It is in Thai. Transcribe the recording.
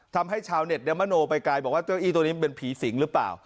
ทำให้ชาวเน็ตมโนไปไกลบอกว่าเก้าอี้ตัวนี้มันเป็นผีสิงหรือเปล่า